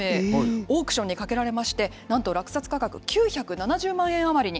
オークションにかけられまして、なんと落札価格、９７０万円余りに。